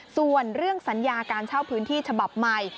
ส่วนเรื่องสัญญาการเช่าพื้นที่ฉบับใหม่